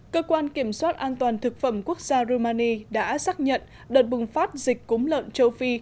cơ quan kiểm soát an toàn thực phẩm quốc gia rumani đã xác nhận đợt bùng phát dịch cúng lợn châu phi